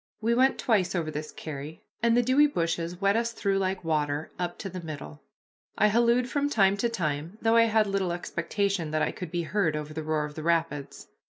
We went twice over this carry, and the dewy bushes wet us through like water up to the middle. I hallooed from time to time, though I had little expectation that I could be heard over the roar of the rapids.